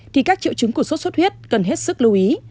thì các triệu chứng của sốt xuất huyết cần hết sức lưu ý